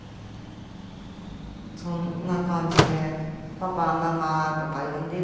そんな感じでパパママとか呼んでる